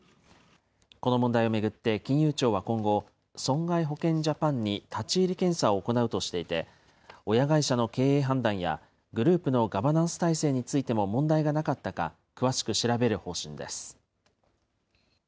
この問題を巡って金融庁は今後、損害保険ジャパンに立ち入り検査を行うとしていて、親会社の経営判断やグループのガバナンス体制についても問題がなかったか詳しく調べる方針です。